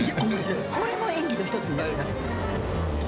これも演技の１つになってます。